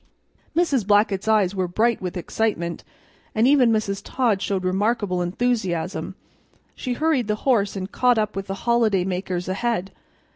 Mrs. Blackett's eyes were bright with excitement, and even Mrs. Todd showed remarkable enthusiasm. She hurried the horse and caught up with the holiday makers ahead.